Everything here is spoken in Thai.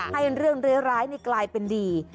ให้เรื่องเรียบร้ายเลยกลายเป็นดี